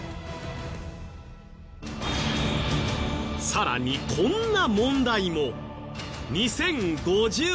更にこんな問題も。